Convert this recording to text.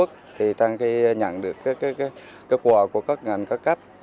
trong khi nhận được kết quả của các ngành cấp cấp